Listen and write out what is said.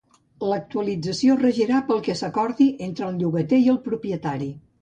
L'actualització es regirà pel que s'acordi entre el llogater i el propietari.